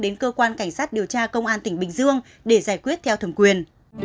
đến cơ quan cảnh sát điều tra công an tp hcm để giải quyết theo thường quyền